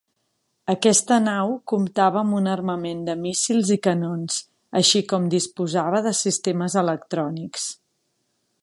Aquesta nau comptava amb un armament de míssils i canons, així com disposava de sistemes electrònics.